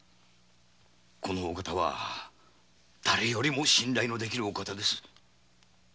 このお方はだれよりも信頼できるお方ですよ。